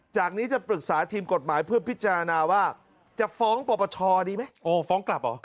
จากนี้จะปรึกษาทีมกฎหมายเพื่อพิจารณาว่าจะฟ้องปปชดีไหมโอ้ฟ้องกลับเหรอ